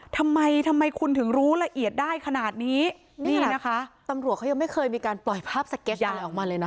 ทำไมทำไมคุณถึงรู้ละเอียดได้ขนาดนี้นี่นะคะตำรวจเขายังไม่เคยมีการปล่อยภาพสเก็ตอะไรออกมาเลยนะ